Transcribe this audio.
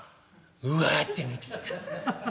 「うわって見てきた」。